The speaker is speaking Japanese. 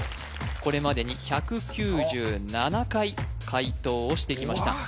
これまでに１９７回解答をしてきました